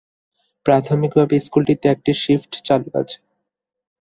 প্রাথমিকভাবে স্কুলটিতে একটি শিফট চালু আছে।